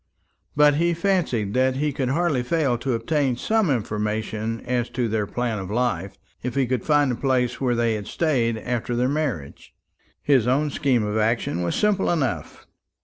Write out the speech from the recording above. But he fancied that he could hardly fail to obtain some information as to their plan of life, if he could find the place where they had stayed after their marriage. His own scheme of action was simple enough.